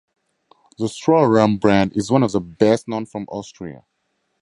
The Stroh Rum brand is one of the best-known from Austria.